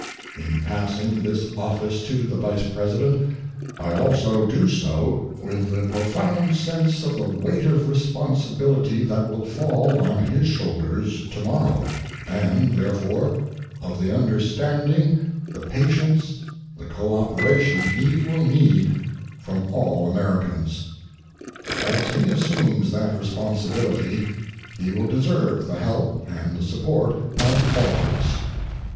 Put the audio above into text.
In passing this office to the Vice President, I also do so with the profound sense of the weight of responsibility that will fall on his shoulders tomorrow and, therefore, of the understanding, the patience, the cooperation he will need from all Americans. As he assumes that responsibility, he will deserve the help and the support of all of us.